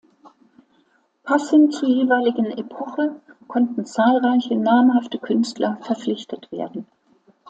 Passend zur jeweiligen Epoche konnten zahlreiche namhafte Künstler verpflichtet werden.